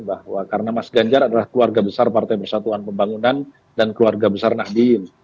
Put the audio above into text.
bahwa karena mas ganjar adalah keluarga besar partai persatuan pembangunan dan keluarga besar nahdim